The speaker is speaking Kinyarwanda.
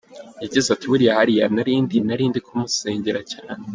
Yagize ati “Buriya hariya nari ndi, nari ndi kumusengera cyane.